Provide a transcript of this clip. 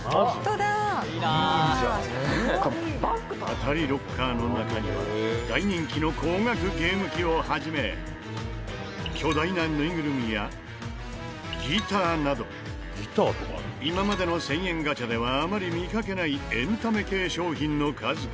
当たりロッカーの中には大人気の高額ゲーム機をはじめ巨大なぬいぐるみやギターなど今までの１０００円ガチャではあまり見かけないエンタメ系商品の数々が。